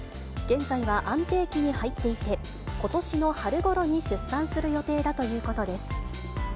現在は安定期に入っていて、ことしの春ごろに出産する予定だということです。